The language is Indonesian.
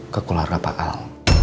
ke keluarga pak al